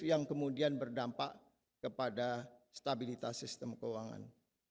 yang kemudian berdampak kepada stabilitas sistem keuangan